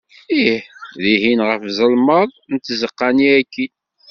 Ih! dihin ɣef ẓelmeḍ n tzeqqa-nni akkin.